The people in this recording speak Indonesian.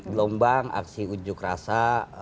gelombang aksi ujuk rasa